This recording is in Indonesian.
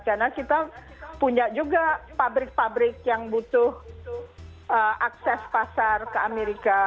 karena kita punya juga pabrik pabrik yang butuh akses pasar ke amerika